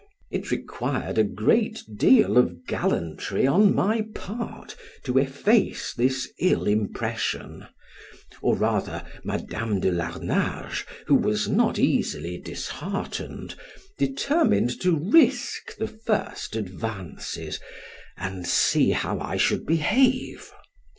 It required a great deal of gallantry on my part to efface this ill impression, or rather Madam de Larnage (who was not easily disheartened) determined to risk the first advances, and see how I should behave.